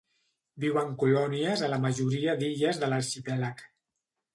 Viu en colònies a la majoria d'illes de l'arxipèlag.